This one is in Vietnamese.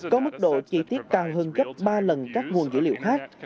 có mức độ chi tiết cao hơn gấp ba lần các nguồn dữ liệu khác